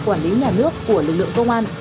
quản lý nhà nước của lực lượng công an